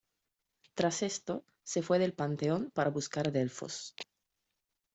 Tras esto, se fue del Panteón para buscar a Delfos.